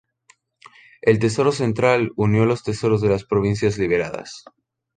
El tesoro central unió los tesoros de las provincias liberadas.